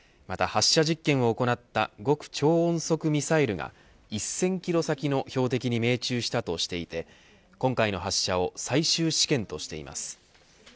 また発射実験を行った極超音速ミサイルが１０００キロ先の標的に命中したとしていて今回の発射を最終試験としています。